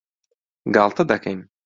گاڵتە دەکەین.